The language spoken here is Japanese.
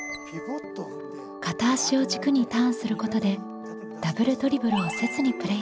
片足を軸にターンすることでダブルドリブルをせずにプレイできます。